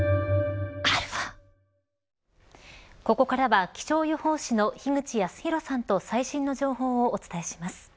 ここからは気象予報士の樋口康弘さんと最新の情報をお伝えします。